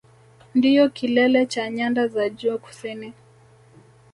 Ndiyo kilele cha Nyanda za Juu Kusini